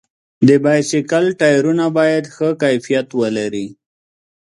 د بایسکل ټایرونه باید ښه کیفیت ولري.